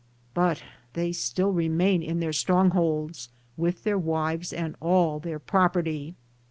But they still remain in their strong holds, with their wives and all their property.